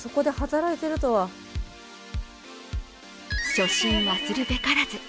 初心忘るべからず。